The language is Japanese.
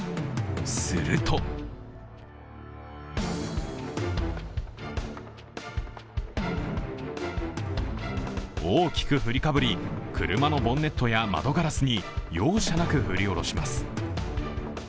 すると大きく振りかぶり、車のボンネットや窓ガラスに容赦なく振り下ろします。